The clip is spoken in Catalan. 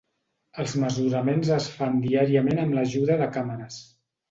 Els mesuraments es fan diàriament amb l'ajuda de càmeres.